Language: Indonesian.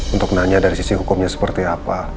untuk nanya dari sisi hukumnya seperti apa